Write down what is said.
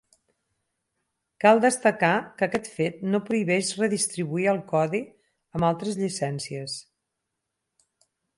Cal destacar que aquest fet no prohibeix redistribuir el codi amb altres llicències.